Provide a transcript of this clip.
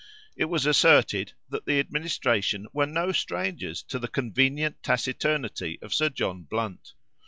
It was asserted that the administration were no strangers to the convenient taciturnity of Sir John Blunt.